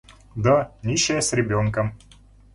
Да, нищая с ребенком.